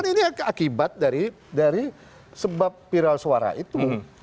ini akibat dari sebab viral suara itu